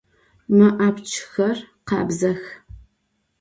Mı apçxer khabzex.